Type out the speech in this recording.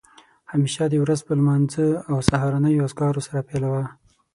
همېشه دې ورځ په لمانځه او سهارنیو اذکارو سره پیلوه